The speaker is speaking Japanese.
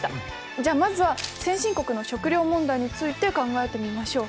じゃあまずは先進国の食料問題について考えてみましょう。